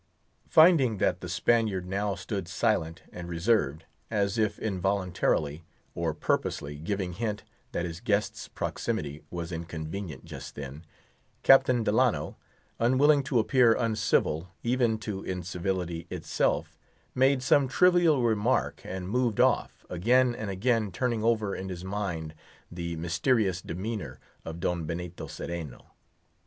Finding that the Spaniard now stood silent and reserved, as if involuntarily, or purposely giving hint that his guest's proximity was inconvenient just then, Captain Delano, unwilling to appear uncivil even to incivility itself, made some trivial remark and moved off; again and again turning over in his mind the mysterious demeanor of Don Benito Cereno.